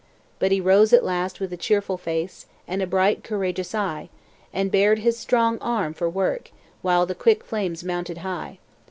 But he rose at last with a cheerful face, And a bright courageous eye, And bared his strong right arm for work, While the quick flames mounted high.